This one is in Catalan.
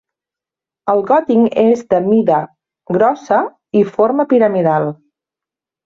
El gotim és de mida grossa i forma piramidal.